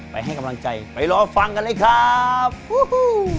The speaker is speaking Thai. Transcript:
ไปให้กำลังใจไปร้องฟังกันเลยครับวู้ฮู้